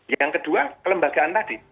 yang kedua kelembagaan tadi